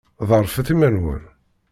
Ḍerrfet iman-nwen.